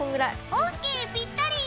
ＯＫぴったり！